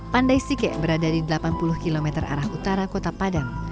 pandai sike berada di delapan puluh km arah utara kota padang